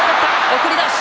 送り出し。